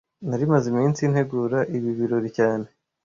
Nari maze iminsi ntegura ibi birori cyane